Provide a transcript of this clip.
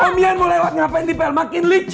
om ian mau lewat ngapain dipele makin licin